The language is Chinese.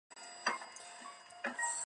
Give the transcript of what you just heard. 散文中也有一类。